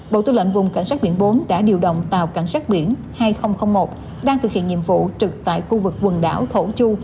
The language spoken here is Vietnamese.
bộ tư lệnh vùng cảnh sát biển bốn đã điều động tàu cảnh sát biển hai nghìn một đang thực hiện nhiệm vụ trực tại khu vực quần đảo thổ chu